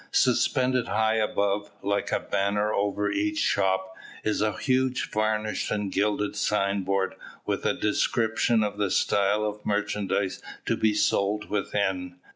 Suspended high above, like a banner over each shop, is a huge varnished and gilded signboard, with a description of the style of merchandise to be sold within.